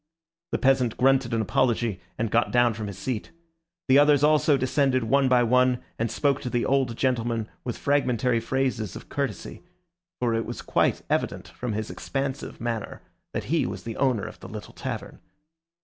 The peasant grunted an apology, and got down from his seat. The others also descended one by one, and spoke to the old gentleman with fragmentary phrases of courtesy, for it was quite evident from his expansive manner that he was the owner of the little tavern.